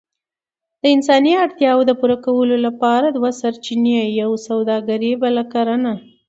د انساني اړتياوو د پوره کولو لپاره دوه سرچينې، يوه سووداګري بله کرنه.